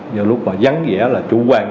do lúc đó vắng vẻ là chủ quan nhất